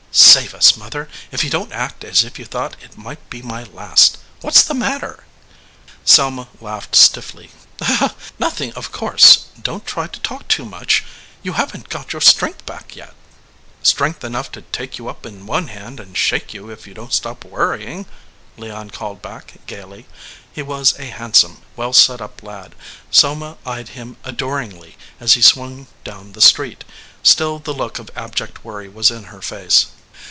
"Save us! mother, if you don t act as if you thought it might be my last! What s the mat ter?" Selma laughed stiffly. "Nothing, of course. Don t try to talk too much. You haven t got your strength back yet." "Strength enough to take you up in one hand and shake you if you don t stop worrying," Leon called back, gaily. He was a handsome, well set up lad. Selma eyed him adoringly as he swung down the street. Still the look of abject worry was in her face.